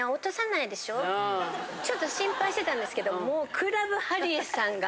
ちょっと心配してたんですけどもう。